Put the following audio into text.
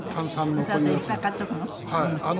いっぱい買っておくの？